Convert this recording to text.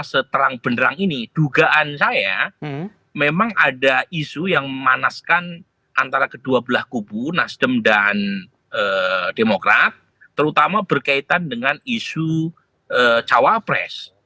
seterang benerang ini dugaan saya memang ada isu yang memanaskan antara kedua belah kubu nasdem dan demokrat terutama berkaitan dengan isu cawapres